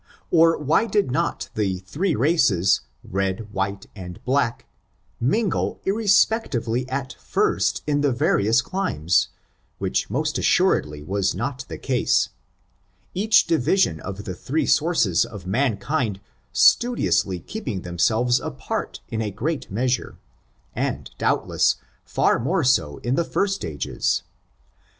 or why did not the three races, red, white and black, mingle irrespective ly at first in the various climes, which most assured ly was not the case, each division of the three sources of mankind studiously keeping themselves apart m a great measure, and, doubtless, far more so in the first ages?